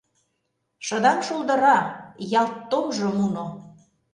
Шыдаҥ шолдыра, ялт томжо муно.